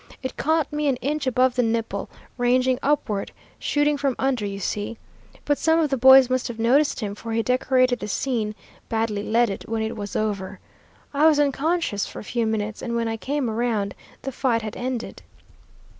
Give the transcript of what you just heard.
It caught me an inch above the nipple, ranging upward, shooting from under, you see. But some of the boys must have noticed him, for he decorated the scene badly leaded, when it was over. I was unconscious for a few minutes, and when I came around the fight had ended.